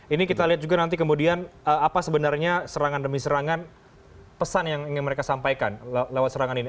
ini kita lihat juga nanti kemudian apa sebenarnya serangan demi serangan pesan yang ingin mereka sampaikan lewat serangan ini